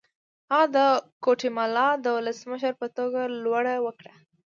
هغه د ګواتیمالا د ولسمشر په توګه لوړه وکړه.